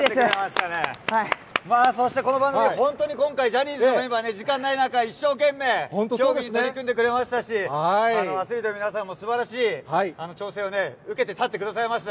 そしてこの番組、本当に今回、ジャニーズのメンバー、時間ない中、一生懸命競技に取り組んでくれましたし、アスリートの皆さんもすばらしい挑戦を受けて立ってくださいました。